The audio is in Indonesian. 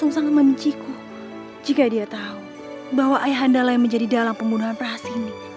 sampai jumpa di video selanjutnya